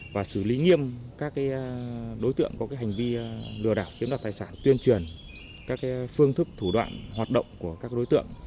và xử lý nghiêm các đối tượng có hành vi lừa đảo chiếm đoạt tài sản tuyên truyền các phương thức thủ đoạn hoạt động của các đối tượng